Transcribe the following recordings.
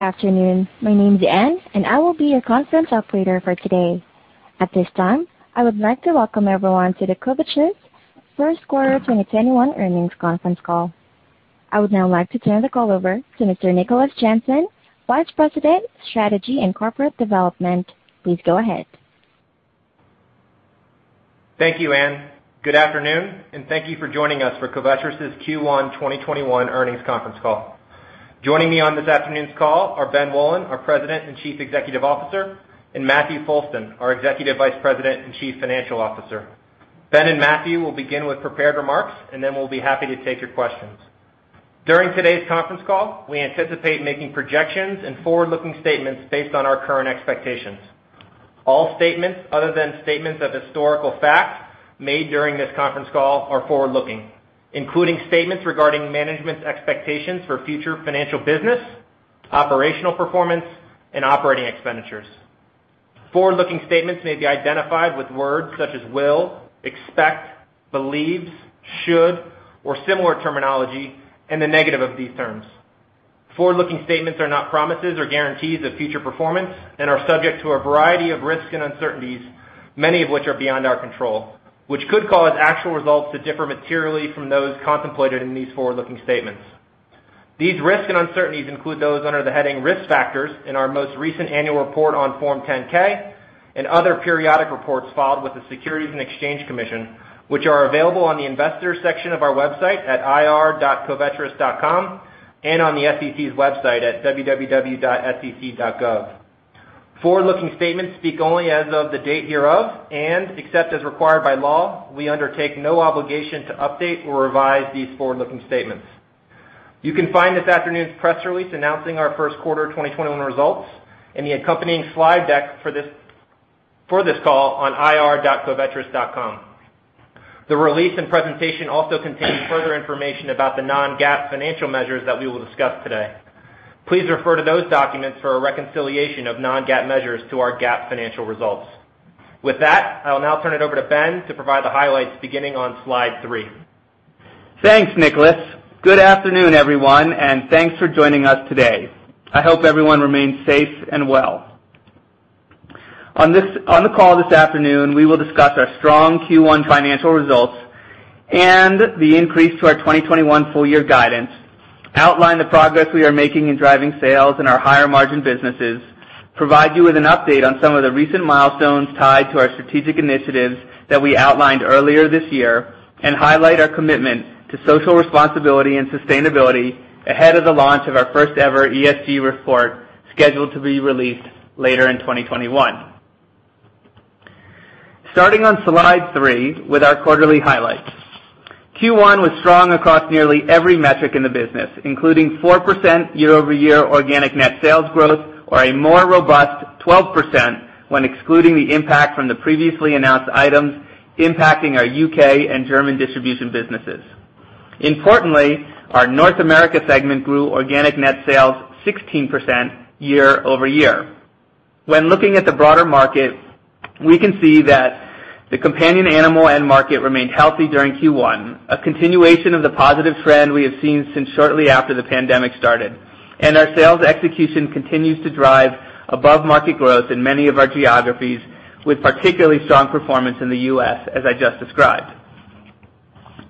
Afternoon. My name is Anne, and I will be your conference operator for today. At this time, I would like to welcome everyone to the Covetrus first quarter 2021 earnings conference call. I would now like to turn the call over to Mr. Nicholas Jansen, Vice President, Strategy and Corporate Development. Please go ahead. Thank you, Anne. Good afternoon, and thank you for joining us for Covetrus' Q1 2021 earnings conference call. Joining me on this afternoon's call are Ben Wolin, our President and Chief Executive Officer, and Matthew Foulston, our Executive Vice President and Chief Financial Officer. Ben and Matthew will begin with prepared remarks, and then we'll be happy to take your questions. During today's conference call, we anticipate making projections and forward-looking statements based on our current expectations. All statements other than statements of historical fact made during this conference call are forward-looking, including statements regarding management's expectations for future financial business, operational performance, and operating expenditures. Forward-looking statements may be identified with words such as will, expect, believes, should, or similar terminology and the negative of these terms. Forward-looking statements are not promises or guarantees of future performance and are subject to a variety of risks and uncertainties, many of which are beyond our control, which could cause actual results to differ materially from those contemplated in these forward-looking statements. These risks and uncertainties include those under the heading Risk Factors in our most recent annual report on Form 10-K and other periodic reports filed with the Securities and Exchange Commission, which are available on the investors section of our website at ir.covetrus.com and on the SEC's website at www.sec.gov. Forward-looking statements speak only as of the date hereof, and except as required by law, we undertake no obligation to update or revise these forward-looking statements. You can find this afternoon's press release announcing our first quarter 2021 results and the accompanying slide deck for this call on ir.covetrus.com. The release and presentation also contain further information about the non-GAAP financial measures that we will discuss today. Please refer to those documents for a reconciliation of non-GAAP measures to our GAAP financial results. With that, I will now turn it over to Ben to provide the highlights beginning on slide three. Thanks, Nicholas. Good afternoon, everyone, and thanks for joining us today. I hope everyone remains safe and well. On the call this afternoon, we will discuss our strong Q1 financial results and the increase to our 2021 full-year guidance, outline the progress we are making in driving sales in our higher margin businesses, provide you with an update on some of the recent milestones tied to our strategic initiatives that we outlined earlier this year, and highlight our commitment to social responsibility and sustainability ahead of the launch of our first ever ESG report, scheduled to be released later in 2021. Starting on slide three with our quarterly highlights. Q1 was strong across nearly every metric in the business, including 4% year-over-year organic net sales growth or a more robust 12% when excluding the impact from the previously announced items impacting our U.K. and German distribution businesses. Importantly, our North America segment grew organic net sales 16% year-over-year. When looking at the broader market, we can see that the companion animal end market remained healthy during Q1, a continuation of the positive trend we have seen since shortly after the pandemic started. Our sales execution continues to drive above-market growth in many of our geographies, with particularly strong performance in the U.S., as I just described.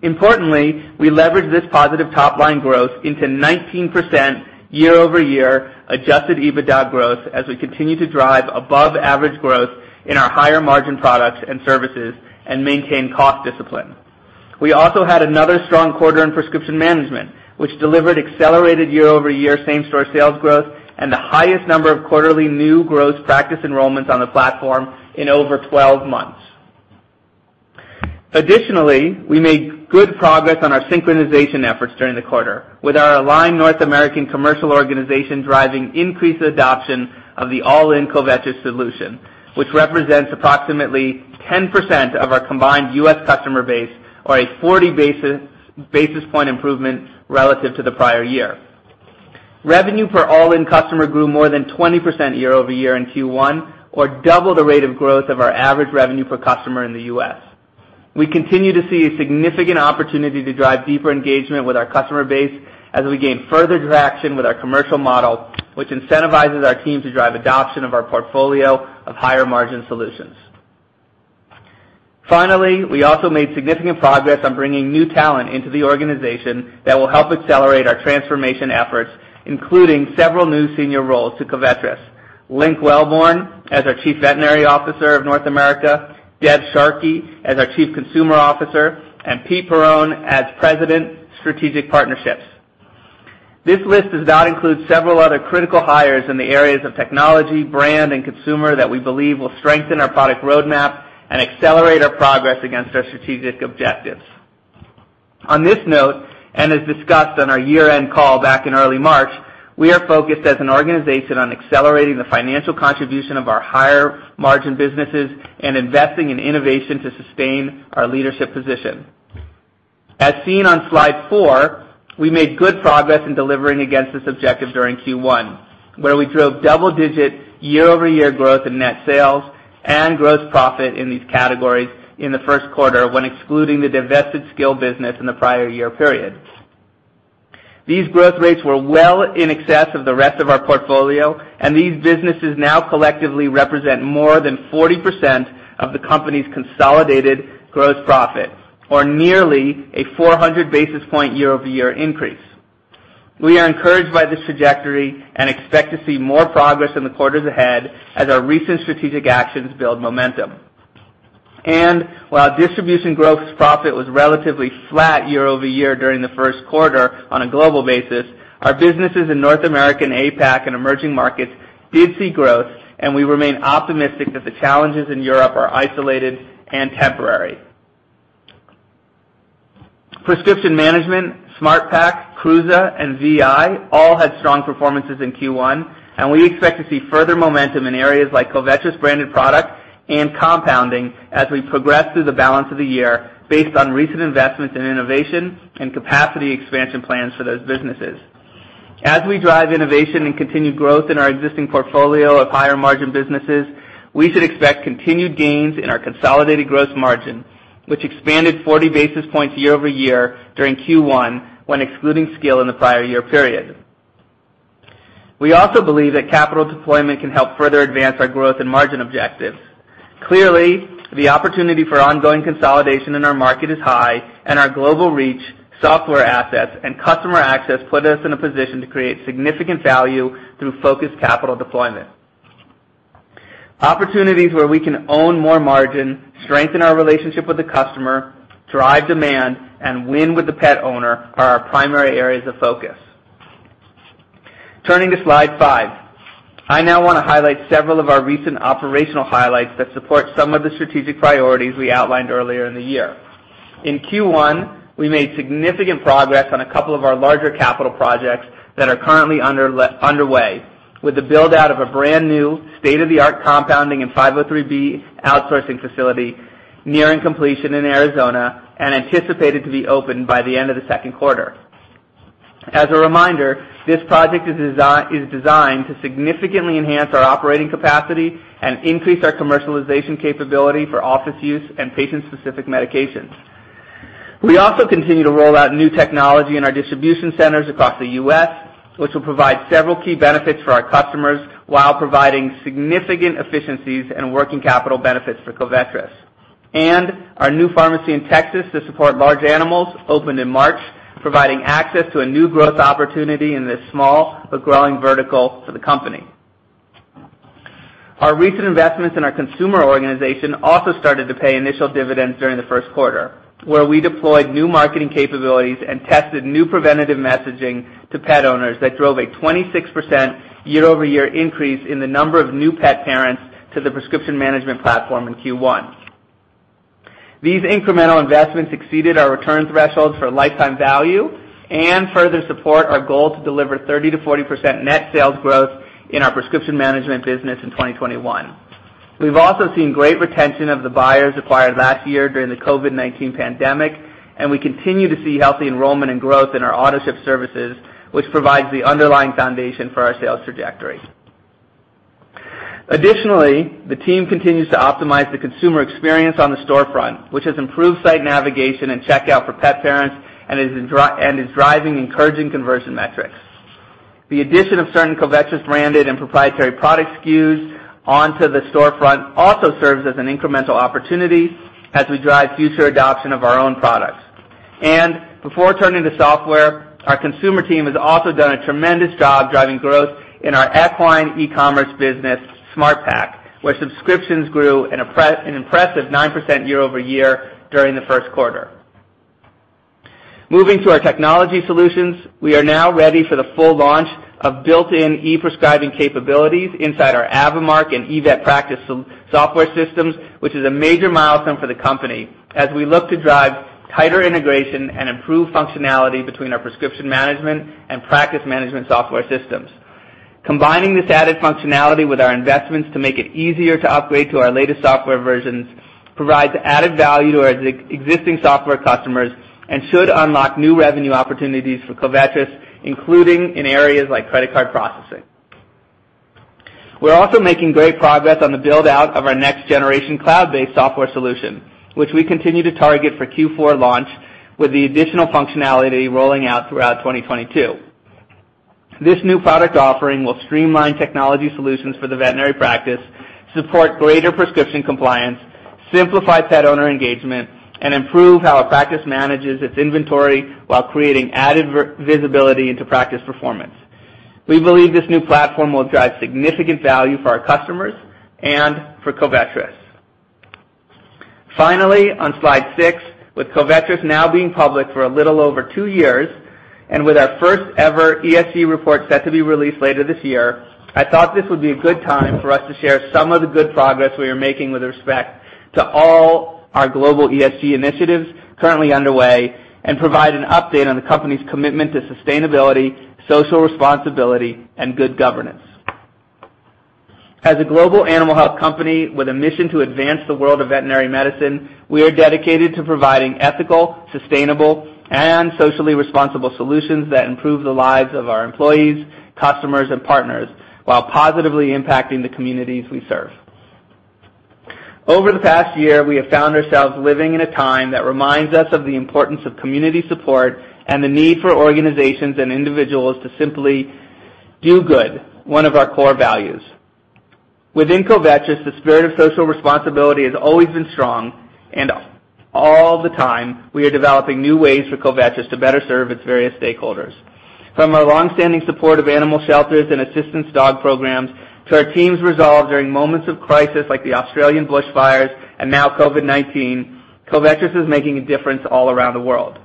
Importantly, we leveraged this positive top-line growth into 19% year-over-year Adjusted EBITDA growth as we continue to drive above average growth in our higher margin products and services and maintain cost discipline. We also had another strong quarter in prescription management, which delivered accelerated year-over-year same-store sales growth and the highest number of quarterly new gross practice enrollments on the platform in over 12 months. Additionally, we made good progress on our synchronization efforts during the quarter with our aligned North American commercial organization driving increased adoption of the All In Covetrus solution, which represents approximately 10% of our combined U.S. customer base or a 40 basis point improvement relative to the prior year. Revenue per All In customer grew more than 20% year-over-year in Q1 or double the rate of growth of our average revenue per customer in the U.S. We continue to see a significant opportunity to drive deeper engagement with our customer base as we gain further traction with our commercial model, which incentivizes our team to drive adoption of our portfolio of higher margin solutions. Finally, we also made significant progress on bringing new talent into the organization that will help accelerate our transformation efforts, including several new senior roles to Covetrus. Link Welborn as our Chief Veterinary Officer of North America, Deb Sharkey as our Chief Consumer Officer, and Pete Perron as President, Strategic Partnerships. This list does not include several other critical hires in the areas of technology, brand, and consumer that we believe will strengthen our product roadmap and accelerate our progress against our strategic objectives. On this note, and as discussed on our year-end call back in early March, we are focused as an organization on accelerating the financial contribution of our higher margin businesses and investing in innovation to sustain our leadership position. As seen on slide four, we made good progress in delivering against this objective during Q1, where we drove double-digit year-over-year growth in net sales and gross profit in these categories in the first quarter when excluding the divested scil business in the prior year period. These growth rates were well in excess of the rest of our portfolio, these businesses now collectively represent more than 40% of the company's consolidated gross profit, or nearly a 400 basis point year-over-year increase. We are encouraged by this trajectory and expect to see more progress in the quarters ahead as our recent strategic actions build momentum. While distribution gross profit was relatively flat year-over-year during the first quarter on a global basis, our businesses in North America, APAC, and emerging markets did see growth, we remain optimistic that the challenges in Europe are isolated and temporary. Prescription management, SmartPak, KRUUSE, and Vi all had strong performances in Q1, we expect to see further momentum in areas like Covetrus-branded products and compounding as we progress through the balance of the year based on recent investments in innovation and capacity expansion plans for those businesses. As we drive innovation and continued growth in our existing portfolio of higher margin businesses, we should expect continued gains in our consolidated gross margin, which expanded 40 basis points year-over-year during Q1 when excluding scil in the prior year period. We also believe that capital deployment can help further advance our growth and margin objectives. Clearly, the opportunity for ongoing consolidation in our market is high, and our global reach, software assets, and customer access put us in a position to create significant value through focused capital deployment. Opportunities where we can own more margin, strengthen our relationship with the customer, drive demand, and win with the pet owner are our primary areas of focus. Turning to slide five. I now want to highlight several of our recent operational highlights that support some of the strategic priorities we outlined earlier in the year. In Q1, we made significant progress on a couple of our larger capital projects that are currently underway with the build-out of a brand-new state-of-the-art compounding and 503B outsourcing facility nearing completion in Arizona and anticipated to be open by the end of the second quarter. As a reminder, this project is designed to significantly enhance our operating capacity and increase our commercialization capability for office use and patient-specific medications. We also continue to roll out new technology in our distribution centers across the U.S., which will provide several key benefits for our customers while providing significant efficiencies and working capital benefits for Covetrus. Our new pharmacy in Texas to support large animals opened in March, providing access to a new growth opportunity in this small but growing vertical for the company. Our recent investments in our consumer organization also started to pay initial dividends during the first quarter, where we deployed new marketing capabilities and tested new preventative messaging to pet owners that drove a 26% year-over-year increase in the number of new pet parents to the prescription management platform in Q1. These incremental investments exceeded our return thresholds for lifetime value and further support our goal to deliver 30%-40% net sales growth in our prescription management business in 2021. We've also seen great retention of the buyers acquired last year during the COVID-19 pandemic. We continue to see healthy enrollment and growth in our autoship services, which provides the underlying foundation for our sales trajectory. Additionally, the team continues to optimize the consumer experience on the storefront, which has improved site navigation and checkout for pet parents and is driving encouraging conversion metrics. The addition of certain Covetrus-branded and proprietary product SKUs onto the storefront also serves as an incremental opportunity as we drive future adoption of our own products. Before turning to software, our consumer team has also done a tremendous job driving growth in our equine e-commerce business, SmartPak, where subscriptions grew an impressive 9% year-over-year during the first quarter. Moving to our technology solutions, we are now ready for the full launch of built-in e-prescribing capabilities inside our AVImark and eVetPractice software systems, which is a major milestone for the company as we look to drive tighter integration and improve functionality between our prescription management and practice management software systems. Combining this added functionality with our investments to make it easier to upgrade to our latest software versions provides added value to our existing software customers and should unlock new revenue opportunities for Covetrus, including in areas like credit card processing. We're also making great progress on the build-out of our next-generation cloud-based software solution, which we continue to target for Q4 launch with the additional functionality rolling out throughout 2022. This new product offering will streamline technology solutions for the veterinary practice, support greater prescription compliance, simplify pet owner engagement, and improve how a practice manages its inventory while creating added visibility into practice performance. We believe this new platform will drive significant value for our customers and for Covetrus. Finally, on slide six, with Covetrus now being public for a little over two years and with our first ever ESG Report set to be released later this year, I thought this would be a good time for us to share some of the good progress we are making with respect to all our global ESG initiatives currently underway and provide an update on the company's commitment to sustainability, social responsibility, and good governance. As a global animal health company with a mission to advance the world of veterinary medicine, we are dedicated to providing ethical, sustainable, and socially responsible solutions that improve the lives of our employees, customers, and partners while positively impacting the communities we serve. Over the past year, we have found ourselves living in a time that reminds us of the importance of community support and the need for organizations and individuals to simply do good, one of our core values. Within Covetrus, the spirit of social responsibility has always been strong, and all the time, we are developing new ways for Covetrus to better serve its various stakeholders. From our long-standing support of animal shelters and assistance dog programs, to our teams' resolve during moments of crisis like the Australian bushfires and now COVID-19, Covetrus is making a difference all around the world.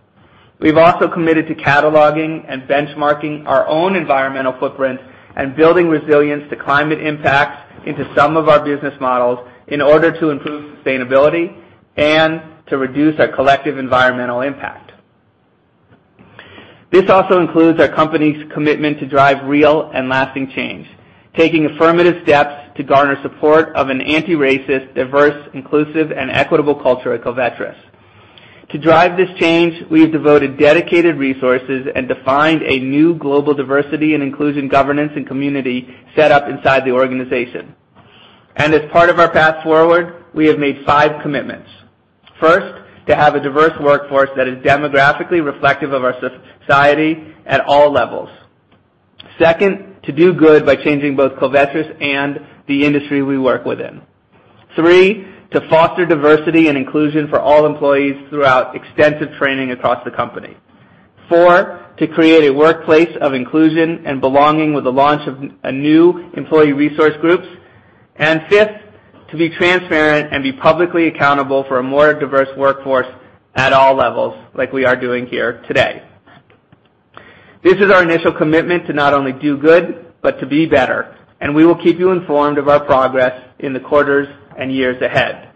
We've also committed to cataloging and benchmarking our own environmental footprint and building resilience to climate impacts into some of our business models in order to improve sustainability and to reduce our collective environmental impact. This also includes our company's commitment to drive real and lasting change, taking affirmative steps to garner support of an anti-racist, diverse, inclusive, and equitable culture at Covetrus. To drive this change, we have devoted dedicated resources and defined a new global diversity and inclusion governance and community set up inside the organization. As part of our path forward, we have made five commitments. First, to have a diverse workforce that is demographically reflective of our society at all levels. Second, to do good by changing both Covetrus and the industry we work within. Three, to foster diversity and inclusion for all employees throughout extensive training across the company. Four, to create a workplace of inclusion and belonging with the launch of a new employee resource groups. Fifth, to be transparent and be publicly accountable for a more diverse workforce at all levels, like we are doing here today. This is our initial commitment to not only do good, but to be better, and we will keep you informed of our progress in the quarters and years ahead.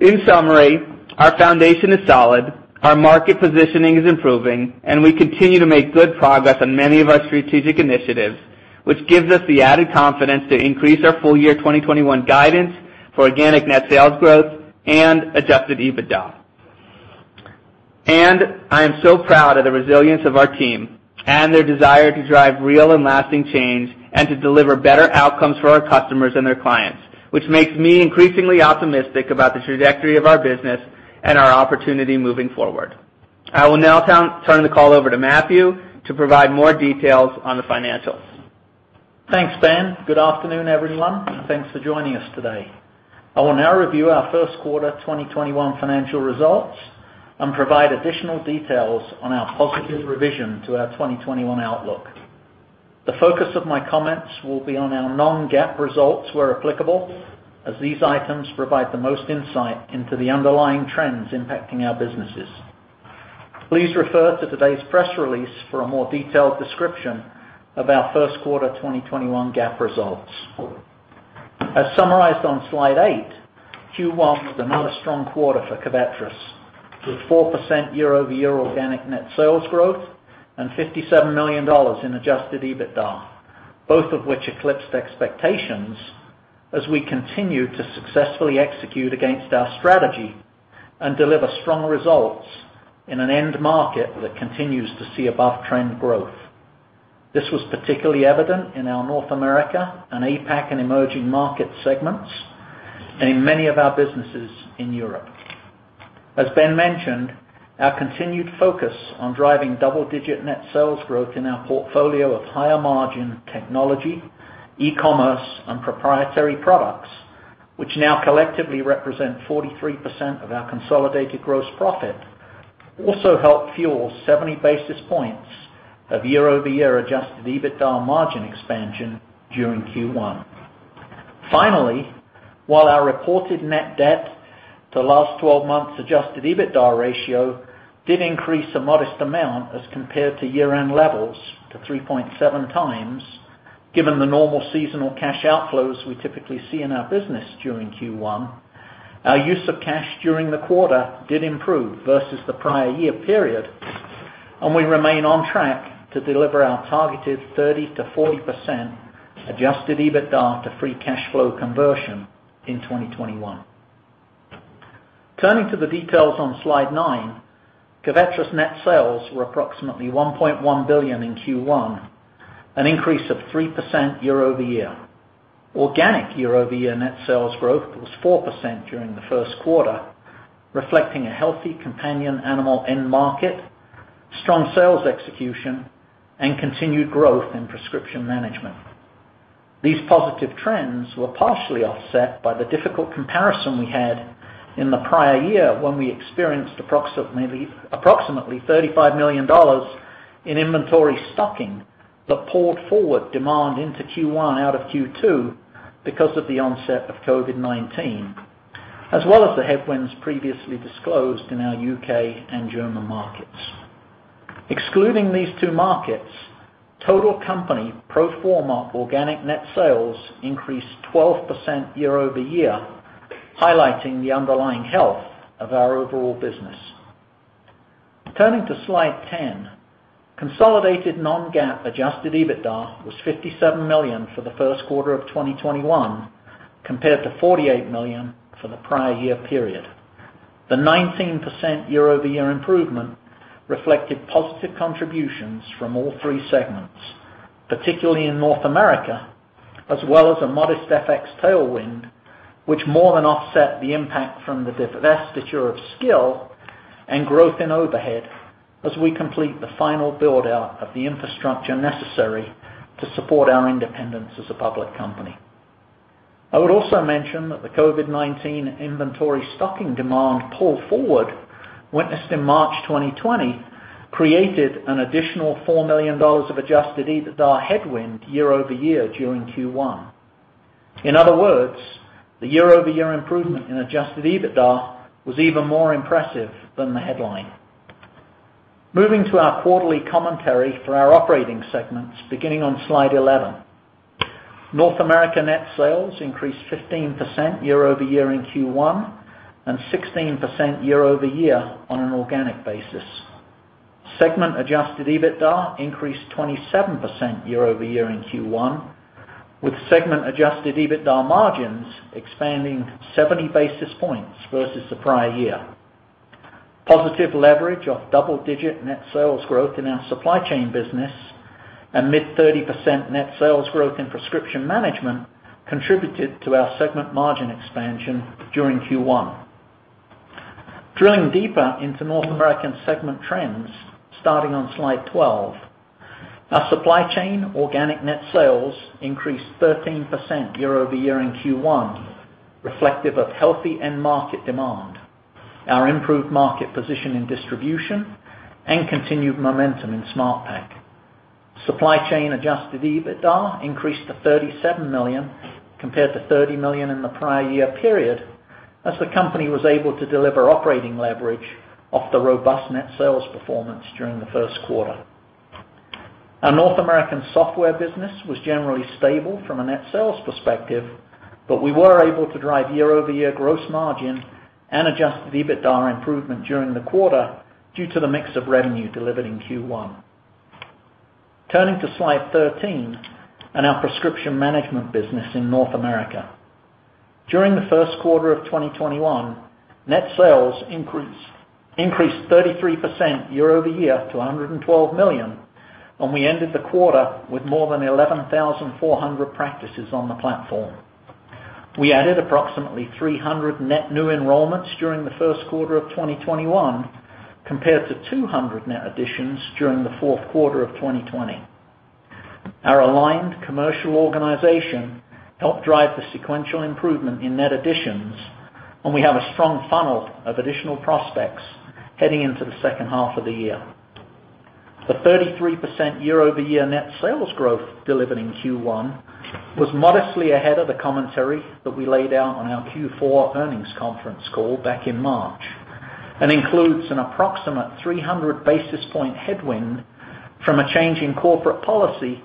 In summary, our foundation is solid, our market positioning is improving, and we continue to make good progress on many of our strategic initiatives, which gives us the added confidence to increase our full year 2021 guidance for organic net sales growth and Adjusted EBITDA. I am so proud of the resilience of our team and their desire to drive real and lasting change, and to deliver better outcomes for our customers and their clients, which makes me increasingly optimistic about the trajectory of our business and our opportunity moving forward. I will now turn the call over to Matthew to provide more details on the financials. Thanks, Ben. Good afternoon, everyone, and thanks for joining us today. I will now review our first quarter 2021 financial results and provide additional details on our positive revision to our 2021 outlook. The focus of my comments will be on our non-GAAP results where applicable, as these items provide the most insight into the underlying trends impacting our businesses. Please refer to today's press release for a more detailed description of our first quarter 2021 GAAP results. As summarized on slide eight, Q1 was another strong quarter for Covetrus, with 4% year-over-year organic net sales growth and $57 million in Adjusted EBITDA, both of which eclipsed expectations as we continue to successfully execute against our strategy and deliver strong results in an end market that continues to see above-trend growth. This was particularly evident in our North America and APAC and emerging market segments, and in many of our businesses in Europe. As Ben mentioned, our continued focus on driving double-digit net sales growth in our portfolio of higher-margin technology, e-commerce, and proprietary products, which now collectively represent 43% of our consolidated gross profit, also helped fuel 70 basis points of year-over-year Adjusted EBITDA margin expansion during Q1. Finally, while our reported net debt to last 12 months Adjusted EBITDA ratio did increase a modest amount as compared to year-end levels to 3.7 times, given the normal seasonal cash outflows we typically see in our business during Q1, our use of cash during the quarter did improve versus the prior year period, and we remain on track to deliver our targeted 30%-40% Adjusted EBITDA to free cash flow conversion in 2021. Turning to the details on Slide nine, Covetrus net sales were approximately $1.1 billion in Q1, an increase of 3% year-over-year. Organic year-over-year net sales growth was 4% during the first quarter, reflecting a healthy companion animal end market, strong sales execution, and continued growth in prescription management. These positive trends were partially offset by the difficult comparison we had in the prior year, when we experienced approximately $35 million in inventory stocking that pulled forward demand into Q1 out of Q2 because of the onset of COVID-19, as well as the headwinds previously disclosed in our U.K. and German markets. Excluding these two markets, total company pro forma organic net sales increased 12% year-over-year, highlighting the underlying health of our overall business. Turning to Slide 10, consolidated non-GAAP Adjusted EBITDA was $57 million for the first quarter of 2021 compared to $48 million for the prior year period. The 19% year-over-year improvement reflected positive contributions from all three segments, particularly in North America, as well as a modest FX tailwind, which more than offset the impact from the divestiture of scil and growth in overhead as we complete the final build-out of the infrastructure necessary to support our independence as a public company. I would also mention that the COVID-19 inventory stocking demand pull forward witnessed in March 2020 created an additional $4 million of Adjusted EBITDA headwind year-over-year during Q1. In other words, the year-over-year improvement in Adjusted EBITDA was even more impressive than the headline. Moving to our quarterly commentary for our operating segments, beginning on slide 11. North America net sales increased 15% year-over-year in Q1 and 16% year-over-year on an organic basis. Segment Adjusted EBITDA increased 27% year-over-year in Q1, with segment Adjusted EBITDA margins expanding 70 basis points versus the prior year. Positive leverage of double-digit net sales growth in our supply chain business and mid 30% net sales growth in prescription management contributed to our segment margin expansion during Q1. Drilling deeper into North American segment trends, starting on slide 12. Our supply chain organic net sales increased 13% year-over-year in Q1, reflective of healthy end market demand, our improved market position in distribution, and continued momentum in SmartPak. Supply chain Adjusted EBITDA increased to $37 million, compared to $30 million in the prior year period, as the company was able to deliver operating leverage off the robust net sales performance during the first quarter. Our North American software business was generally stable from a net sales perspective, but we were able to drive year-over-year gross margin and Adjusted EBITDA improvement during the quarter due to the mix of revenue delivered in Q1. Turning to slide 13 and our prescription management business in North America. During the first quarter of 2021, net sales increased 33% year-over-year to $112 million, and we ended the quarter with more than 11,400 practices on the platform. We added approximately 300 net new enrollments during the first quarter of 2021, compared to 200 net additions during the fourth quarter of 2020. Our aligned commercial organization helped drive the sequential improvement in net additions, and we have a strong funnel of additional prospects heading into the second half of the year. The 33% year-over-year net sales growth delivered in Q1 was modestly ahead of the commentary that we laid out on our Q4 earnings conference call back in March and includes an approximate 300 basis point headwind from a change in corporate policy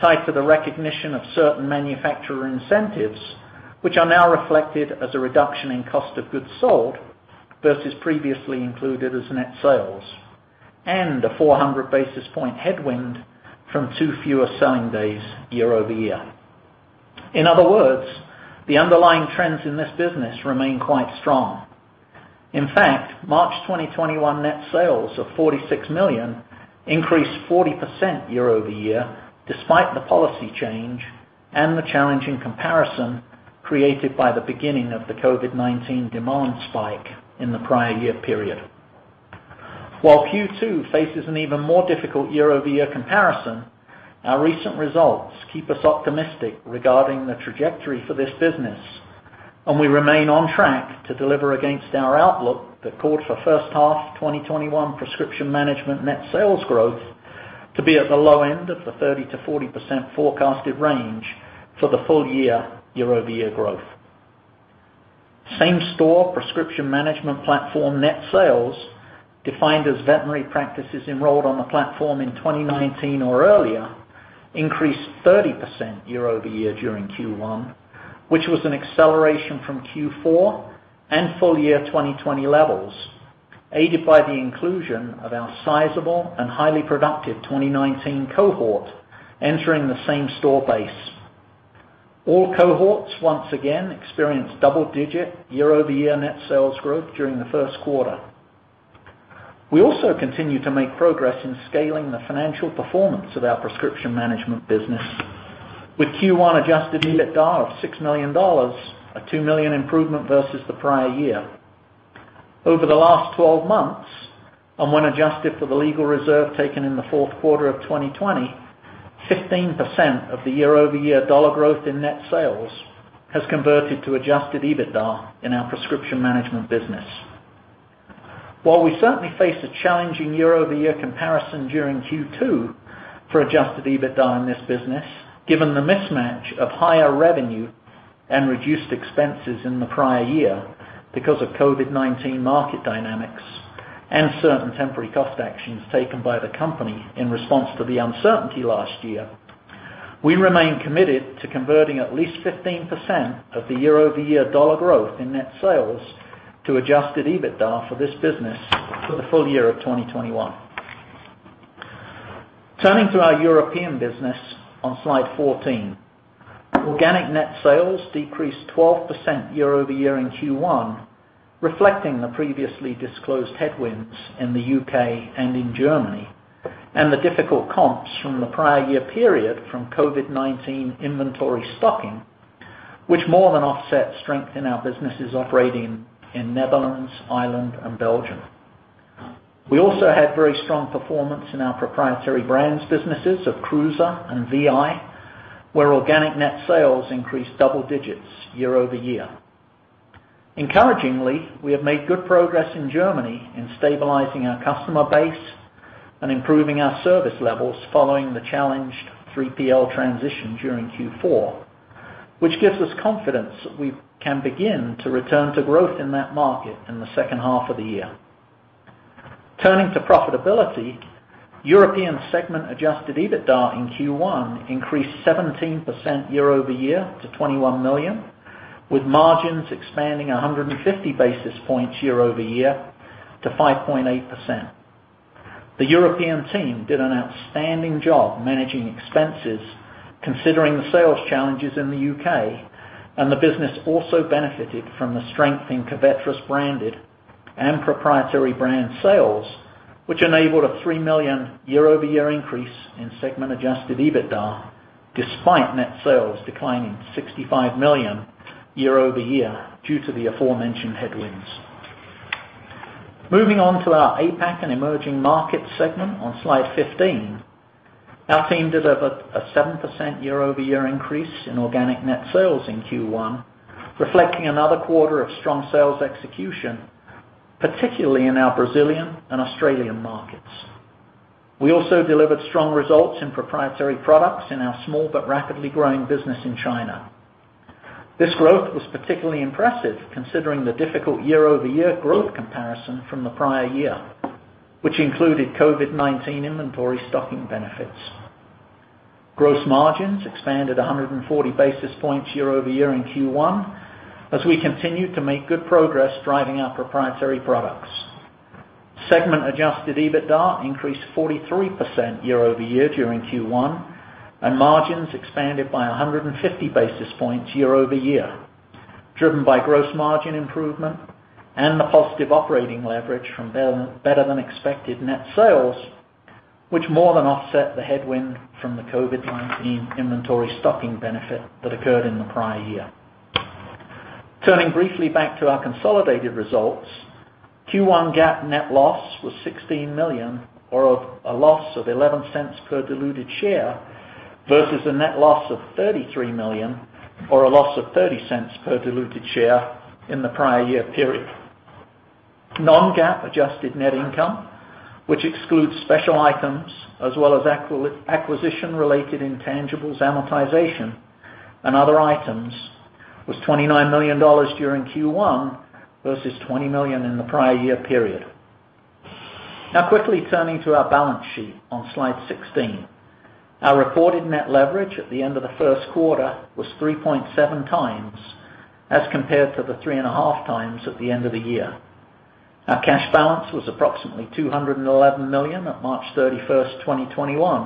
tied to the recognition of certain manufacturer incentives, which are now reflected as a reduction in Cost of Goods Sold versus previously included as net sales, and a 400 basis point headwind from two fewer selling days year-over-year. In other words, the underlying trends in this business remain quite strong. In fact, March 2021 net sales of $46 million increased 40% year-over-year, despite the policy change and the challenging comparison created by the beginning of the COVID-19 demand spike in the prior year period. While Q2 faces an even more difficult year-over-year comparison, our recent results keep us optimistic regarding the trajectory for this business, and we remain on track to deliver against our outlook that called for first half 2021 prescription management net sales growth to be at the low end of the 30%-40% forecasted range for the full year-over-year growth. Same store prescription management platform net sales, defined as veterinary practices enrolled on the platform in 2019 or earlier, increased 30% year-over-year during Q1, which was an acceleration from Q4 and full year 2020 levels, aided by the inclusion of our sizable and highly productive 2019 cohort entering the same store base. All cohorts once again experienced double-digit year-over-year net sales growth during the first quarter. We also continue to make progress in scaling the financial performance of our prescription management business with Q1 Adjusted EBITDA of $6 million, a $2 million improvement versus the prior year. Over the last 12 months, and when adjusted for the legal reserve taken in the fourth quarter of 2020, 15% of the year-over-year dollar growth in net sales has converted to Adjusted EBITDA in our prescription management business. While we certainly face a challenging year-over-year comparison during Q2 for Adjusted EBITDA in this business, given the mismatch of higher revenue and reduced expenses in the prior year because of COVID-19 market dynamics and certain temporary cost actions taken by the company in response to the uncertainty last year, we remain committed to converting at least 15% of the year-over-year dollar growth in net sales to Adjusted EBITDA for this business for the full year of 2021. Turning to our European business on slide 14. Organic net sales decreased 12% year-over-year in Q1, reflecting the previously disclosed headwinds in the U.K. and in Germany, and the difficult comps from the prior year period from COVID-19 inventory stocking, which more than offset strength in our businesses operating in Netherlands, Ireland, and Belgium. We also had very strong performance in our proprietary brands businesses of KRUUSE and Vi, where organic net sales increased double digits year-over-year. Encouragingly, we have made good progress in Germany in stabilizing our customer base and improving our service levels following the challenged 3PL transition during Q4, which gives us confidence that we can begin to return to growth in that market in the second half of the year. Turning to profitability, European segment Adjusted EBITDA in Q1 increased 17% year-over-year to $21 million, with margins expanding 150 basis points year-over-year to 5.8%. The European team did an outstanding job managing expenses considering the sales challenges in the U.K., and the business also benefited from the strength in Covetrus-branded and proprietary brand sales, which enabled a $3 million year-over-year increase in segment Adjusted EBITDA, despite net sales declining $65 million year-over-year due to the aforementioned headwinds. Moving on to our APAC and emerging markets segment on slide 15. Our team delivered a 7% year-over-year increase in organic net sales in Q1, reflecting another quarter of strong sales execution, particularly in our Brazilian and Australian markets. We also delivered strong results in proprietary products in our small but rapidly growing business in China. This growth was particularly impressive considering the difficult year-over-year growth comparison from the prior year, which included COVID-19 inventory stocking benefits. Gross margins expanded 140 basis points year-over-year in Q1, as we continued to make good progress driving our proprietary products. Segment Adjusted EBITDA increased 43% year-over-year during Q1, and margins expanded by 150 basis points year-over-year, driven by gross margin improvement and the positive operating leverage from better-than-expected net sales, which more than offset the headwind from the COVID-19 inventory stocking benefit that occurred in the prior year. Turning briefly back to our consolidated results, Q1 GAAP net loss was $16 million or a loss of $0.11 per diluted share versus a net loss of $33 million or a loss of $0.30 per diluted share in the prior year period. Non-GAAP adjusted net income, which excludes special items as well as acquisition-related intangibles, amortization, and other items, was $29 million during Q1 versus $20 million in the prior year period. Quickly turning to our balance sheet on slide 16. Our reported net leverage at the end of the first quarter was 3.7 times as compared to the three and a half times at the end of the year. Our cash balance was approximately $211 million on March 31st, 2021,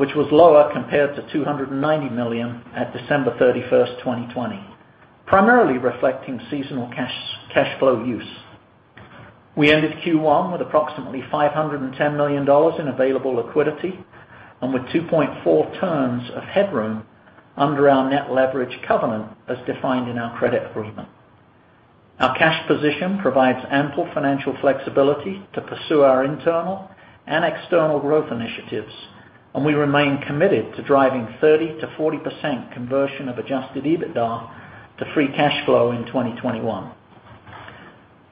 which was lower compared to $290 million at December 31st, 2020, primarily reflecting seasonal cash flow use. We ended Q1 with approximately $510 million in available liquidity and with 2.4 turns of headroom under our net leverage covenant as defined in our credit agreement. Our cash position provides ample financial flexibility to pursue our internal and external growth initiatives. We remain committed to driving 30%-40% conversion of Adjusted EBITDA to free cash flow in 2021.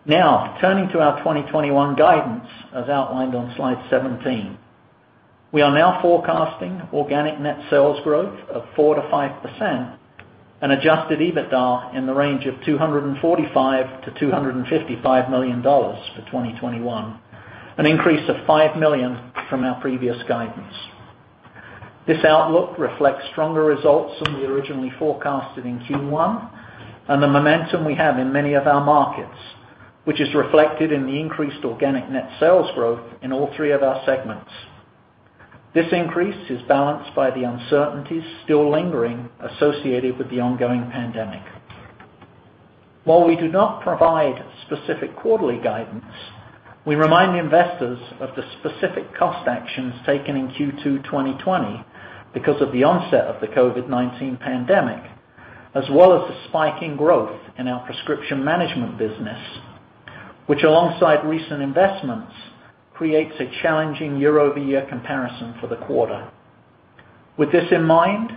Turning to our 2021 guidance as outlined on slide 17. We are now forecasting organic net sales growth of 4%-5% and Adjusted EBITDA in the range of $245 million-$255 million for 2021, an increase of $5 million from our previous guidance. This outlook reflects stronger results than we originally forecasted in Q1 and the momentum we have in many of our markets, which is reflected in the increased organic net sales growth in all three of our segments. This increase is balanced by the uncertainties still lingering associated with the ongoing pandemic. While we do not provide specific quarterly guidance, we remind investors of the specific cost actions taken in Q2 2020 because of the onset of the COVID-19 pandemic, as well as the spike in growth in our prescription management business, which alongside recent investments, creates a challenging year-over-year comparison for the quarter. With this in mind,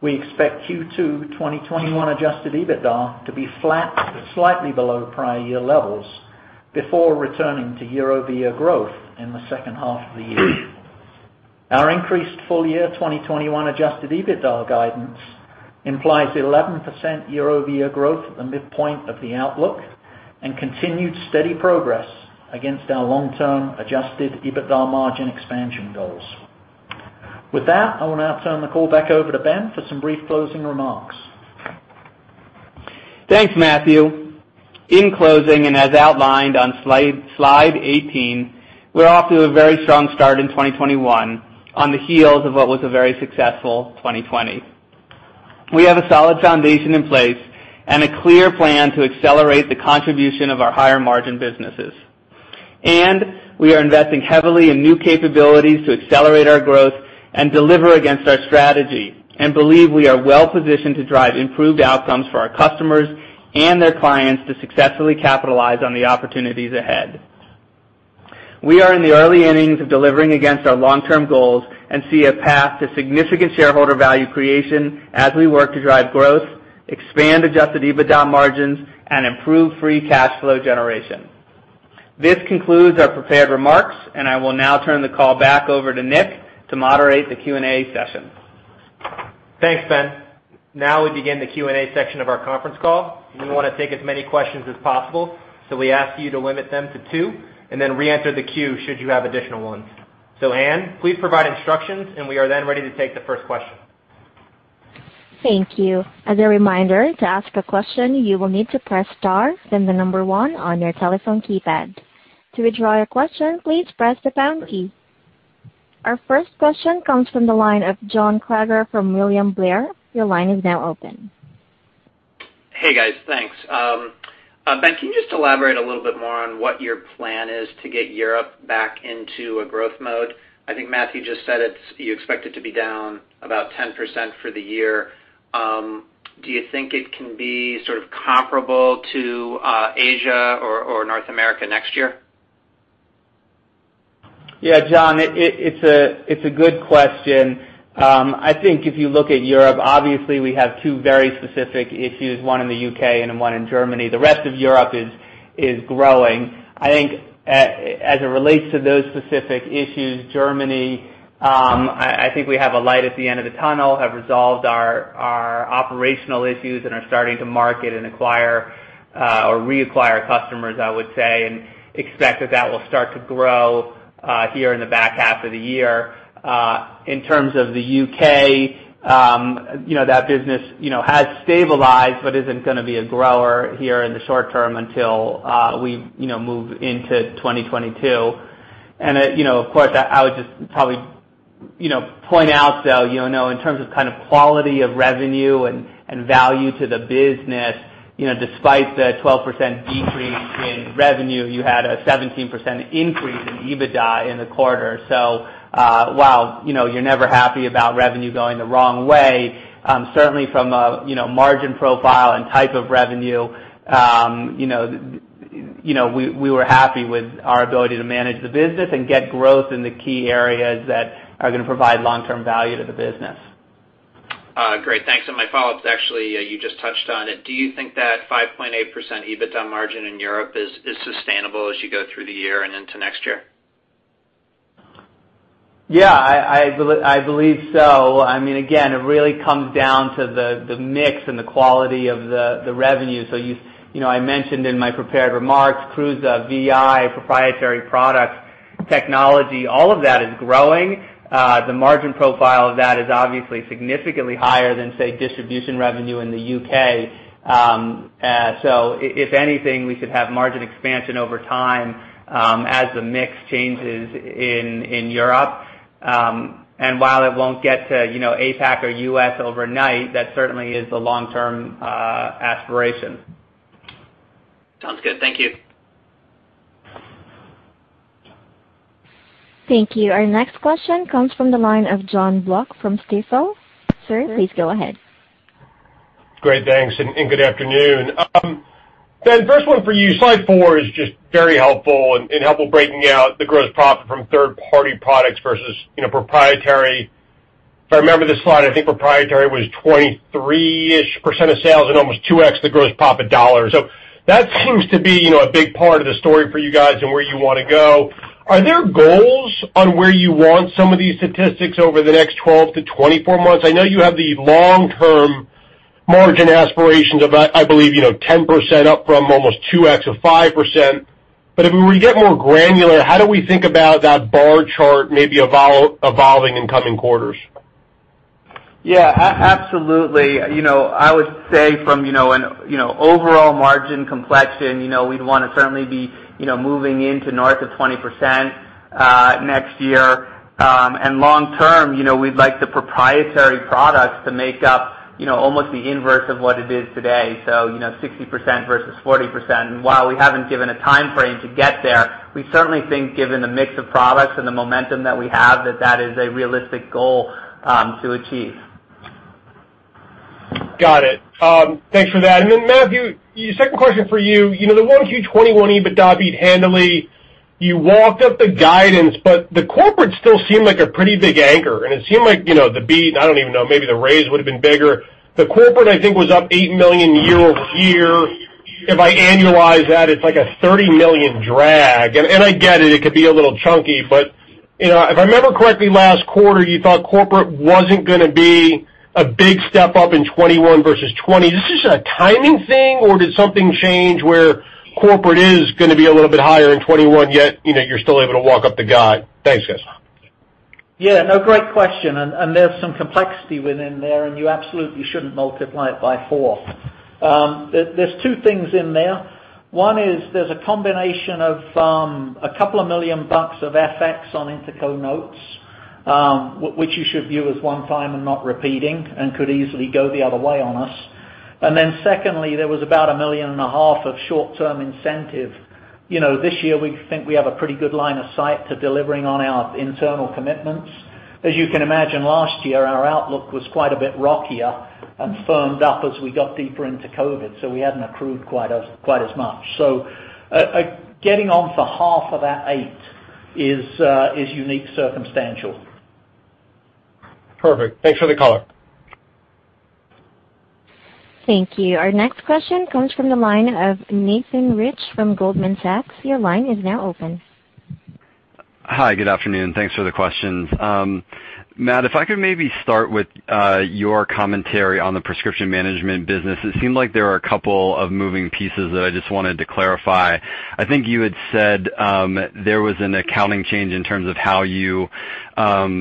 we expect Q2 2021 Adjusted EBITDA to be flat to slightly below prior year levels before returning to year-over-year growth in the second half of the year. Our increased full year 2021 Adjusted EBITDA guidance implies 11% year-over-year growth at the midpoint of the outlook and continued steady progress against our long-term Adjusted EBITDA margin expansion goals. With that, I will now turn the call back over to Ben for some brief closing remarks. Thanks, Matthew. In closing, and as outlined on slide 18, we're off to a very strong start in 2021 on the heels of what was a very successful 2020. We have a solid foundation in place and a clear plan to accelerate the contribution of our higher margin businesses. We are investing heavily in new capabilities to accelerate our growth and deliver against our strategy, and believe we are well-positioned to drive improved outcomes for our customers and their clients to successfully capitalize on the opportunities ahead. We are in the early innings of delivering against our long-term goals and see a path to significant shareholder value creation as we work to drive growth, expand Adjusted EBITDA margins, and improve free cash flow generation. This concludes our prepared remarks, and I will now turn the call back over to Nick to moderate the Q&A session. Thanks, Ben. We begin the Q&A section of our conference call. We want to take as many questions as possible, so we ask you to limit them to two and then re-enter the queue should you have additional ones. Anne, please provide instructions, and we are then ready to take the first question. Thank you. As a reminder, to ask a question, you will need to press star, then the number one on your telephone keypad. To withdraw your question, please press the pound key. Our first question comes from the line of Jon Kaufman from William Blair. Your line is now open. Hey, guys. Thanks. Ben, can you just elaborate a little bit more on what your plan is to get Europe back into a growth mode? I think Matthew just said you expect it to be down about 10% for the year. Do you think it can be sort of comparable to Asia or North America next year? Yeah, Jon, it's a good question. I think if you look at Europe, obviously we have two very specific issues, one in the U.K. and one in Germany. The rest of Europe is growing. I think as it relates to those specific issues, Germany, I think we have a light at the end of the tunnel, have resolved our operational issues and are starting to market and acquire or reacquire customers, I would say, and expect that that will start to grow here in the back half of the year. In terms of the U.K., that business has stabilized but isn't going to be a grower here in the short term until we move into 2022. Of course, I would just probably point out, though, in terms of quality of revenue and value to the business, despite the 12% decrease in revenue, you had a 17% increase in EBITDA in the quarter. While you're never happy about revenue going the wrong way, certainly from a margin profile and type of revenue, we were happy with our ability to manage the business and get growth in the key areas that are going to provide long-term value to the business. Great. Thanks. My follow-up's actually, you just touched on it. Do you think that 5.8% EBITDA margin in Europe is sustainable as you go through the year and into next year? Yeah, I believe so. Again, it really comes down to the mix and the quality of the revenue. I mentioned in my prepared remarks, KRUUSE, VI, proprietary products, technology, all of that is growing. The margin profile of that is obviously significantly higher than, say, distribution revenue in the U.K. If anything, we should have margin expansion over time as the mix changes in Europe. While it won't get to APAC or U.S. overnight, that certainly is the long-term aspiration. Sounds good. Thank you. Thank you. Our next question comes from the line of Jonathan Block from Stifel. Sir, please go ahead. Great. Thanks, and good afternoon. Ben, first one for you. Slide four is just very helpful in breaking out the gross profit from third-party products versus proprietary. If I remember this slide, I think proprietary was 23% of sales and almost 2x the gross profit dollar. That seems to be a big part of the story for you guys and where you want to go. Are there goals on where you want some of these statistics over the next 12 to 24 months? I know you have the long-term margin aspirations of, I believe, 10% up from almost 2x of 5%. If we were to get more granular, how do we think about that bar chart maybe evolving in coming quarters? Yeah, absolutely. I would say from an overall margin complexion, we'd want to certainly be moving into north of 20% next year. Long term, we'd like the proprietary products to make up almost the inverse of what it is today. 60% versus 40%. While we haven't given a timeframe to get there, we certainly think given the mix of products and the momentum that we have, that that is a realistic goal to achieve. Got it. Thanks for that. Matthew Foulston, second question for you. The 1Q21 EBITDA beat handily. You walked up the guidance, the corporate still seemed like a pretty big anchor, and it seemed like the beat, I don't even know, maybe the raise would've been bigger. The corporate, I think, was up $8 million year-over-year. If I annualize that, it's like a $30 million drag. I get it could be a little chunky, if I remember correctly, last quarter, you thought corporate wasn't gonna be a big step-up in 2021 versus 2020. Is this just a timing thing, or did something change where corporate is gonna be a little bit higher in 2021, yet you're still able to walk up the guide? Thanks, guys. Yeah. No, great question. There's some complexity within there, and you absolutely shouldn't multiply it by four. There's two things in there. One is there's a combination of a couple of million bucks of FX on interco notes, which you should view as one-time and not repeating, and could easily go the other way on us. Secondly, there was about a million and a half of short-term incentive. This year, we think we have a pretty good line of sight to delivering on our internal commitments. As you can imagine, last year, our outlook was quite a bit rockier and firmed up as we got deeper into COVID. We hadn't accrued quite as much. Getting on for half of that eight is unique circumstantial. Perfect. Thanks for the color. Thank you. Our next question comes from the line of Nathan Rich from Goldman Sachs. Your line is now open. Hi, good afternoon. Thanks for the questions. Matt, if I could maybe start with your commentary on the prescription management business, it seemed like there were a couple of moving pieces that I just wanted to clarify. I think you had said there was an accounting change in terms of how you, or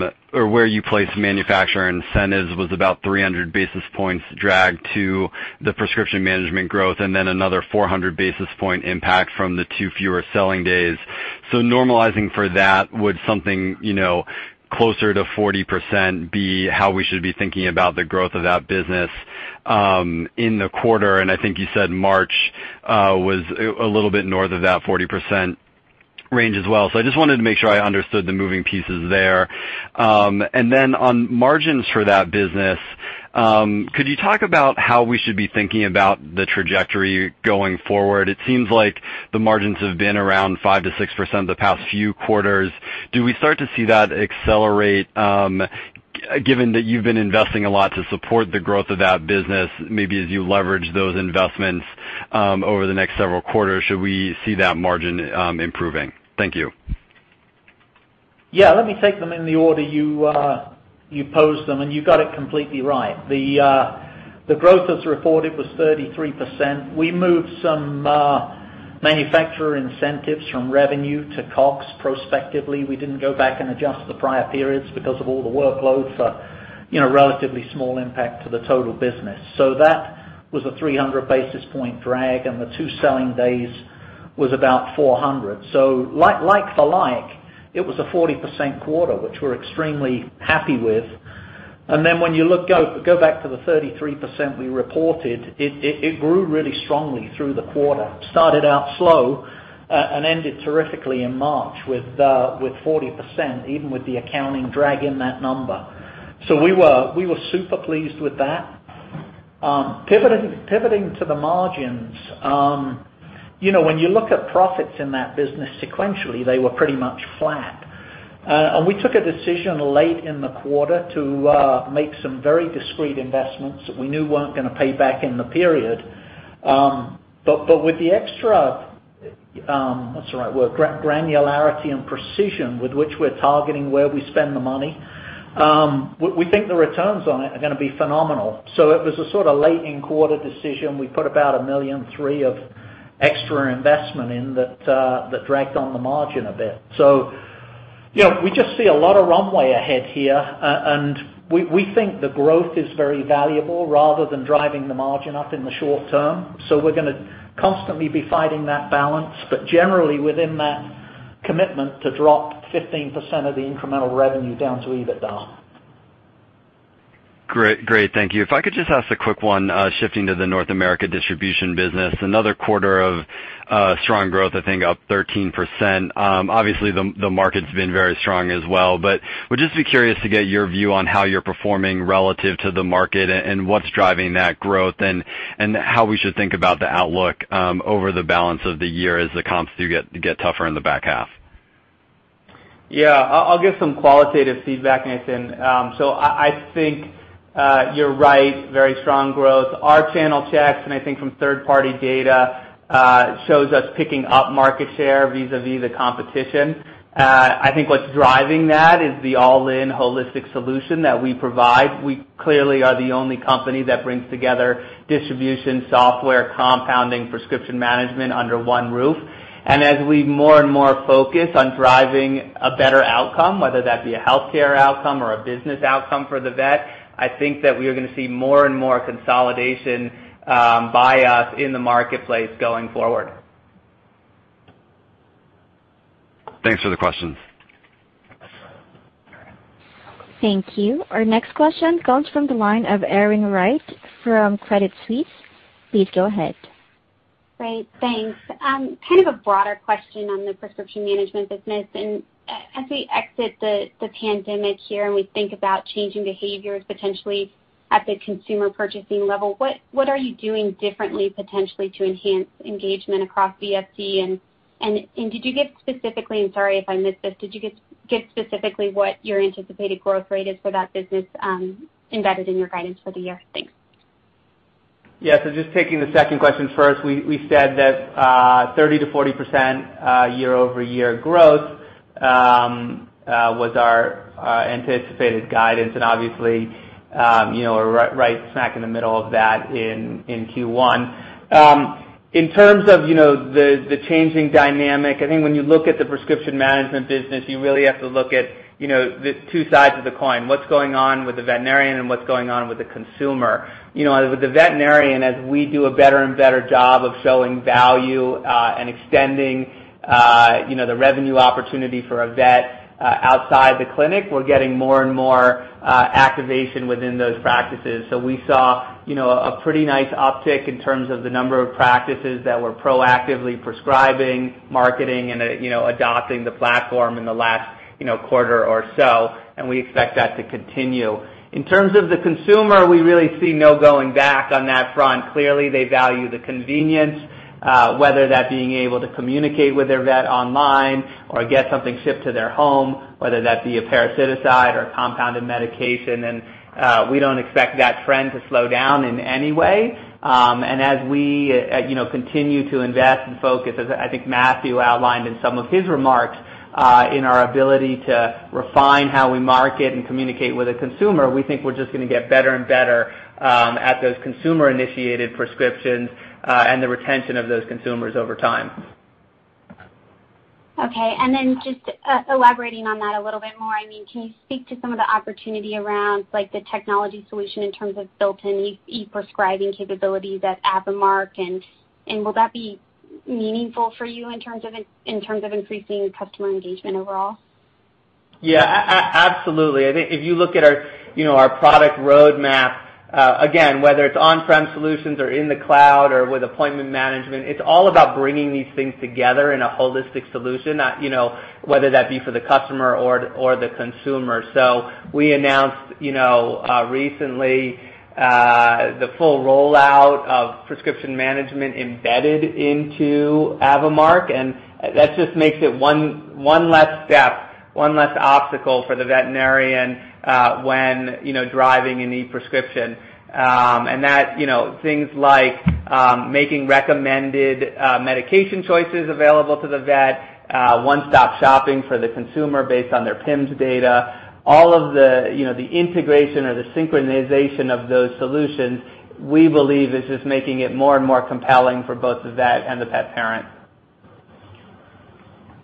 where you place manufacturer incentives was about 300 basis points drag to the prescription management growth, and then another 400 basis point impact from the two fewer selling days. Normalizing for that, would something closer to 40% be how we should be thinking about the growth of that business in the quarter? I think you said March was a little bit north of that 40% range as well. I just wanted to make sure I understood the moving pieces there. On margins for that business, could you talk about how we should be thinking about the trajectory going forward? It seems like the margins have been around 5%-6% the past few quarters. Do we start to see that accelerate, given that you've been investing a lot to support the growth of that business? As you leverage those investments over the next several quarters, should we see that margin improving? Thank you. Yeah, let me take them in the order you posed them, and you got it completely right. The growth as reported was 33%. We moved some manufacturer incentives from revenue to COGS prospectively. We didn't go back and adjust the prior periods because of all the workload for relatively small impact to the total business. That was a 300 basis point drag, and the two selling days was about 400. Like for like, it was a 40% quarter, which we're extremely happy with. When you go back to the 33% we reported, it grew really strongly through the quarter. Started out slow and ended terrifically in March with 40%, even with the accounting drag in that number. We were super pleased with that. Pivoting to the margins. When you look at profits in that business sequentially, they were pretty much flat. We took a decision late in the quarter to make some very discrete investments that we knew weren't going to pay back in the period. With the extra, what's the right word, granularity and precision with which we're targeting where we spend the money, we think the returns on it are going to be phenomenal. It was a sort of late-in-quarter decision. We put about $1.3 million of extra investment in that dragged on the margin a bit. We just see a lot of runway ahead here. We think the growth is very valuable rather than driving the margin up in the short term. We're going to constantly be fighting that balance. Generally, within that commitment to drop 15% of the incremental revenue down to EBITDA. Great. Thank you. If I could just ask a quick one, shifting to the North America distribution business. Another quarter of strong growth, I think up 13%. Obviously, the market's been very strong as well, but would just be curious to get your view on how you're performing relative to the market and what's driving that growth and how we should think about the outlook over the balance of the year as the comps do get tougher in the back half. Yeah. I'll give some qualitative feedback, Nathan. I think you're right, very strong growth. Our channel checks, and I think from third-party data, shows us picking up market share vis-a-vis the competition. I think what's driving that is the all-in holistic solution that we provide. We clearly are the only company that brings together distribution, software, compounding, prescription management under one roof. As we more and more focus on driving a better outcome, whether that be a healthcare outcome or a business outcome for the vet, I think that we are going to see more and more consolidation by us in the marketplace going forward. Thanks for the question. Thank you. Our next question comes from the line of Erin Wright from Morgan Stanley. Please go ahead. Great. Thanks. Kind of a broader question on the prescription management business. As we exit the pandemic here and we think about changing behaviors potentially at the consumer purchasing level, what are you doing differently potentially to enhance engagement across VFC? Did you give specifically, and sorry if I missed this, did you give specifically what your anticipated growth rate is for that business embedded in your guidance for the year? Thanks. Yeah. Just taking the second question first, we said that 30%-40% year-over-year growth was our anticipated guidance. Obviously, we're right smack in the middle of that in Q1. In terms of the changing dynamic, I think when you look at the prescription management business, you really have to look at the two sides of the coin, what's going on with the veterinarian and what's going on with the consumer. With the veterinarian, as we do a better and better job of showing value, and extending the revenue opportunity for a vet outside the clinic, we're getting more and more activation within those practices. We saw a pretty nice uptick in terms of the number of practices that were proactively prescribing, marketing, and adopting the Platform in the last quarter or so, and we expect that to continue. In terms of the consumer, we really see no going back on that front. Clearly, they value the convenience, whether that being able to communicate with their vet online or get something shipped to their home, whether that be a parasiticide or compounded medication. We don't expect that trend to slow down in any way. As we continue to invest and focus as I think Matthew outlined in some of his remarks, in our ability to refine how we market and communicate with a consumer, we think we're just going to get better and better at those consumer-initiated prescriptions, and the retention of those consumers over time. Okay. Just elaborating on that a little bit more, can you speak to some of the opportunity around the technology solution in terms of built-in e-prescribing capabilities at AVImark? Will that be meaningful for you in terms of increasing customer engagement overall? Absolutely. I think if you look at our product roadmap, again, whether it's on-prem solutions or in the cloud or with appointment management, it's all about bringing these things together in a holistic solution, whether that be for the customer or the consumer. We announced recently, the full rollout of prescription management embedded into AVImark, and that just makes it one less step, one less obstacle for the veterinarian when driving an e-prescription. Things like making recommended medication choices available to the vet, one-stop shopping for the consumer based on their PIMS data, all of the integration or the synchronization of those solutions, we believe is just making it more and more compelling for both the vet and the pet parent.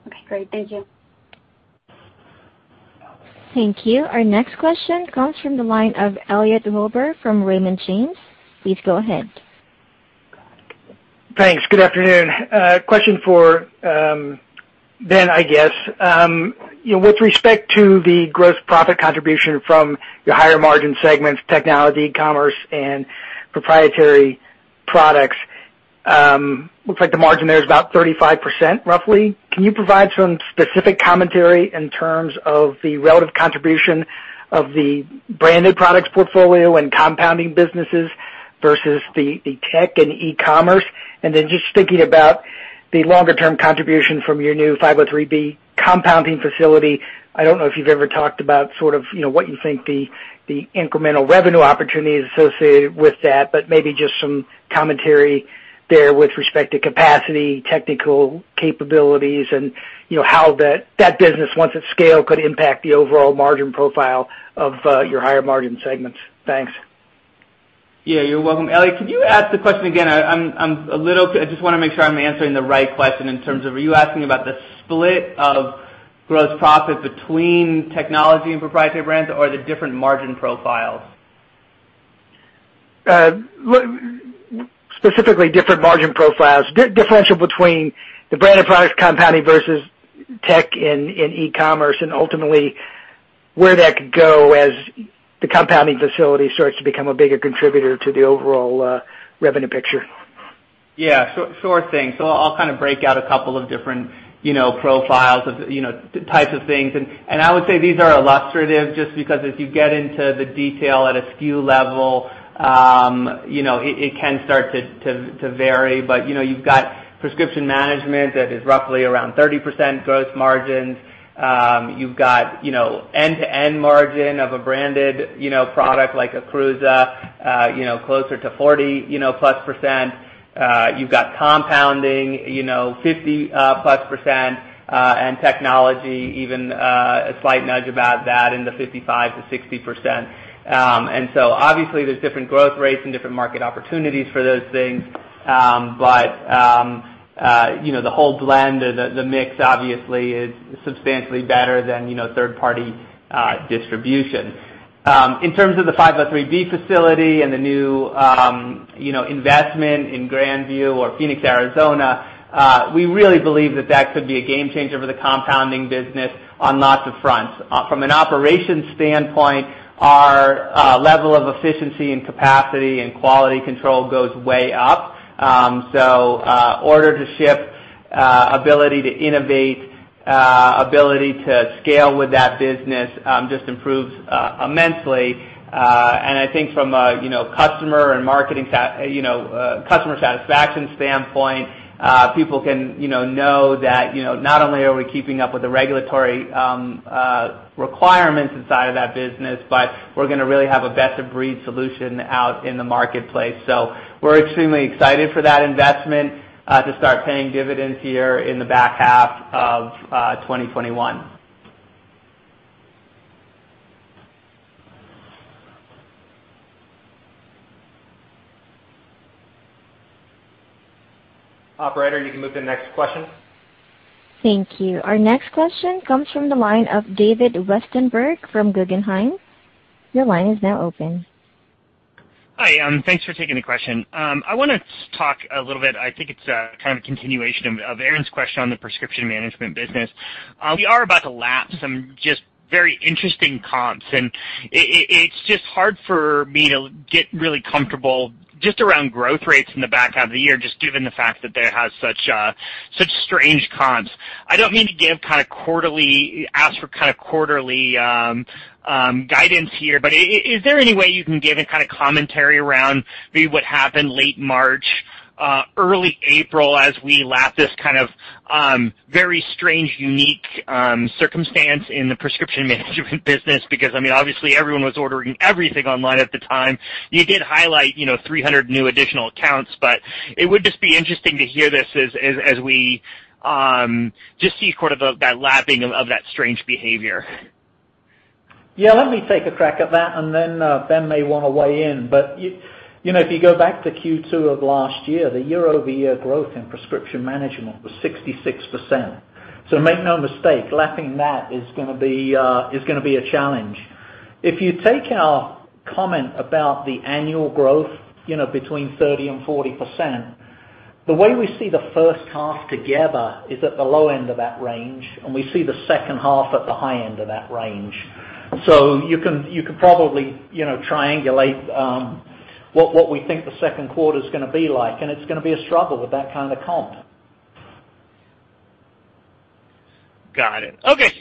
Okay, great. Thank you. Thank you. Our next question comes from the line of Elliot Wilbur from Raymond James. Please go ahead. Thanks. Good afternoon. Question for Ben, I guess. With respect to the gross profit contribution from your higher margin segments, technology, commerce, and proprietary products, looks like the margin there is about 35% roughly. Can you provide some specific commentary in terms of the relative contribution of the branded products portfolio and compounding businesses versus the tech and e-commerce? Then just thinking about the longer-term contribution from your new 503B compounding facility. I don't know if you've ever talked about sort of what you think the incremental revenue opportunities associated with that, but maybe just some commentary there with respect to capacity, technical capabilities, and how that business, once at scale, could impact the overall margin profile of your higher margin segments. Thanks. Yeah. You're welcome. Elliot, could you ask the question again? I just want to make sure I'm answering the right question in terms of, are you asking about the split of gross profit between technology and proprietary brands, or the different margin profiles? Specifically different margin profiles. Differential between the branded products compounding versus tech and e-commerce, and ultimately where that could go as the compounding facility starts to become a bigger contributor to the overall revenue picture. Sure thing. I'll break out a couple of different profiles of types of things. I would say these are illustrative just because if you get into the detail at a SKU level, it can start to vary. You've got prescription management that is roughly around 30% gross margins. You've got end-to-end margin of a branded product like KRUUSE, closer to 40-plus%. You've got compounding, 50-plus%, and technology, even a slight nudge about that in the 55%-60%. Obviously there's different growth rates and different market opportunities for those things. The whole blend or the mix obviously is substantially better than third-party distribution. In terms of the 503B facility and the new investment in Grandview or Phoenix, Arizona, we really believe that that could be a game changer for the compounding business on lots of fronts. From an operations standpoint, our level of efficiency and capacity and quality control goes way up. Order to ship, ability to innovate, ability to scale with that business, just improves immensely. I think from a customer satisfaction standpoint, people can know that not only are we keeping up with the regulatory requirements inside of that business, but we're going to really have a best-of-breed solution out in the marketplace. We're extremely excited for that investment, to start paying dividends here in the back half of 2021. Operator, you can move to the next question. Thank you. Our next question comes from the line of David Westenberg from Guggenheim. Your line is now open. Hi. Thanks for taking the question. I want to talk a little bit, I think it's kind of a continuation of Erin's question on the prescription management business. It's just hard for me to get really comfortable just around growth rates in the back half of the year, just given the fact that it has such strange comps. I don't mean to ask for kind of quarterly guidance here, is there any way you can give any kind of commentary around maybe what happened late March, early April, as we lap this kind of very strange, unique circumstance in the prescription management business? Obviously everyone was ordering everything online at the time. You did highlight 300 new additional accounts, but it would just be interesting to hear this as we just see sort of that lapping of that strange behavior. Yeah, let me take a crack at that, and then Ben may want to weigh in. If you go back to Q2 of last year, the year-over-year growth in prescription management was 66%. Make no mistake, lapping that is going to be a challenge. If you take our comment about the annual growth between 30% and 40%, the way we see the first half together is at the low end of that range, and we see the second half at the high end of that range. You can probably triangulate what we think the second quarter's going to be like, and it's going to be a struggle with that kind of comp. Got it. Okay.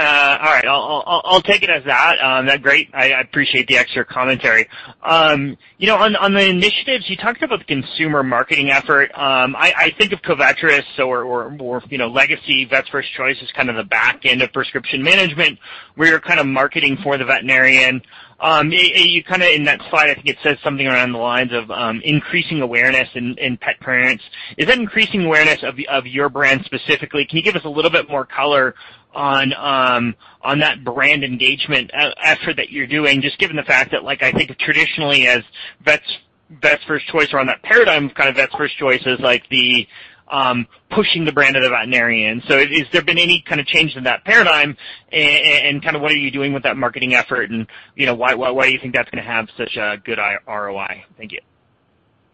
All right. I'll take it as that. Great. I appreciate the extra commentary. On the initiatives, you talked about the consumer marketing effort. I think of Covetrus or more legacy Vets First Choice as kind of the back end of prescription management, where you're kind of marketing for the veterinarian. You kind of, in that slide, I think it says something around the lines of increasing awareness in pet parents. Is that increasing awareness of your brand specifically? Can you give us a little bit more color on that brand engagement effort that you're doing, just given the fact that I think of traditionally as Vets First Choice or on that paradigm of kind of Vets First Choice as like the pushing the brand of the veterinarian. Has there been any kind of change in that paradigm and what are you doing with that marketing effort and why do you think that's going to have such a good ROI? Thank you.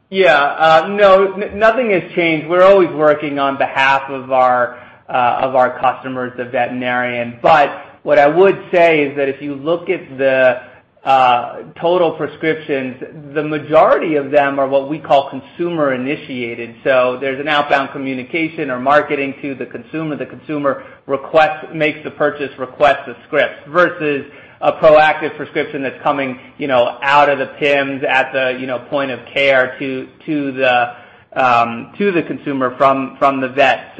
Yeah. No, nothing has changed. We're always working on behalf of our customers, the veterinarian. What I would say is that if you look at the total prescriptions, the majority of them are what we call consumer-initiated. There's an outbound communication or marketing to the consumer. The consumer makes the purchase, requests the script, versus a proactive prescription that's coming out of the PIMS at the point of care to the consumer from the vet.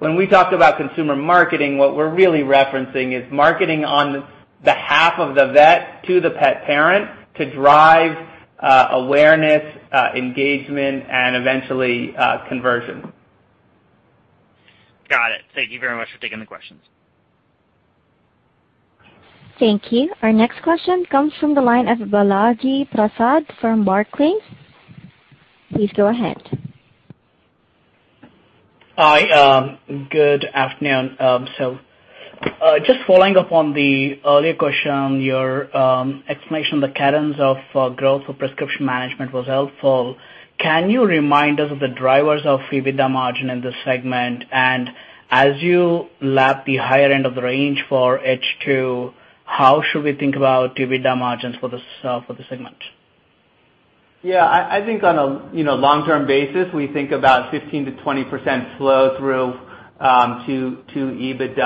When we talk about consumer marketing, what we're really referencing is marketing on behalf of the vet to the pet parent to drive awareness, engagement, and eventually conversion. Got it. Thank you very much for taking the questions. Thank you. Our next question comes from the line of Balaji Prasad from Barclays. Please go ahead. Hi. Good afternoon. Just following up on the earlier question, your explanation of the cadence of growth for prescription management was helpful. Can you remind us of the drivers of EBITDA margin in this segment? As you lap the higher end of the range for H2, how should we think about EBITDA margins for the segment? Yeah, I think on a long-term basis, we think about 15%-20% flow through to EBITDA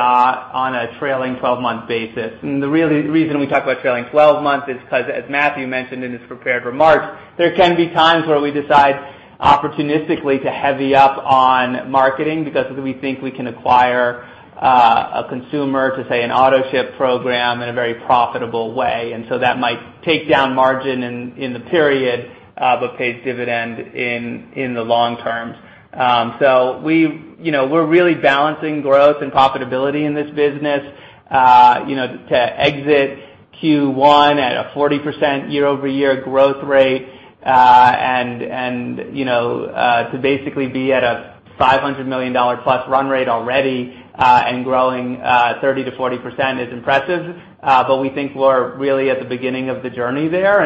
on a trailing 12-month basis. The reason we talk about trailing 12 months is because, as Matthew mentioned in his prepared remarks, there can be times where we decide opportunistically to heavy up on marketing because we think we can acquire a consumer to, say, an autoship program in a very profitable way. That might take down margin in the period, but pays dividend in the long term. We're really balancing growth and profitability in this business. To exit Q1 at a 40% year-over-year growth rate, and to basically be at a $500 million-plus run rate already, and growing 30%-40% is impressive. We think we're really at the beginning of the journey there.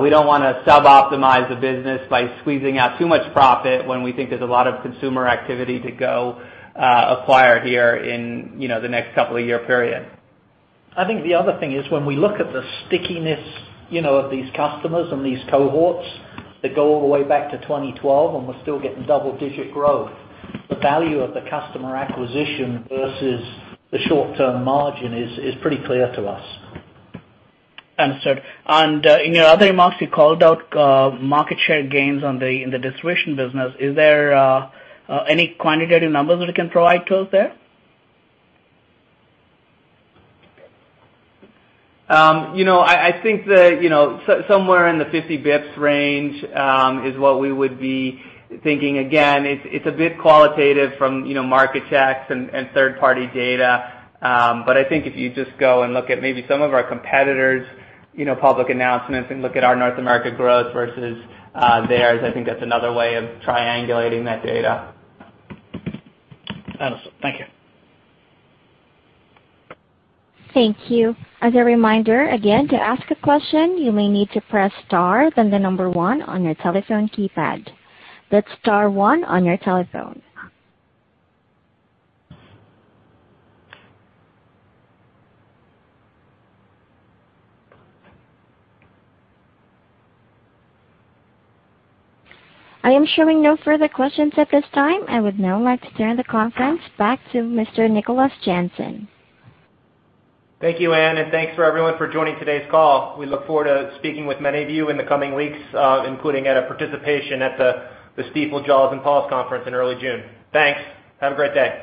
We don't want to suboptimize the business by squeezing out too much profit when we think there's a lot of consumer activity to go acquire here in the next couple of year period. I think the other thing is when we look at the stickiness of these customers and these cohorts that go all the way back to 2012, and we're still getting double-digit growth, the value of the customer acquisition versus the short-term margin is pretty clear to us. Understood. In your other remarks, you called out market share gains in the distribution business. Is there any quantitative numbers that you can provide to us there? I think that somewhere in the 50 bps range, is what we would be thinking. Again, it's a bit qualitative from market checks and third-party data. I think if you just go and look at maybe some of our competitors' public announcements and look at our North America growth versus theirs, I think that's another way of triangulating that data. Understood. Thank you. Thank you. As a reminder, again, to ask a question, you may need to press star, then the number one on your telephone keypad. That's star one on your telephone. I am showing no further questions at this time. I would now like to turn the conference back to Mr. Nicholas Jansen Thank you, Anne, and thanks for everyone for joining today's call. We look forward to speaking with many of you in the coming weeks, including at a participation at the Stifel Jaws & Paws Conference in early June. Thanks. Have a great day.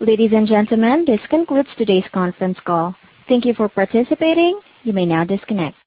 Ladies and gentlemen, this concludes today's conference call. Thank you for participating. You may now disconnect.